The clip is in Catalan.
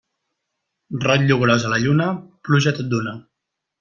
Rotllo gros a la lluna, pluja tot d'una.